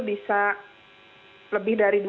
bisa lebih dari